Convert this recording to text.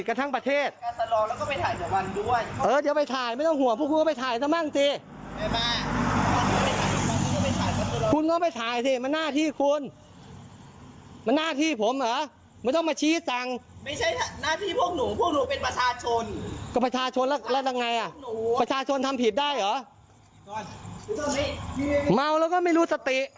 มันได้ไงเขาปิดกันทั้งประเทศ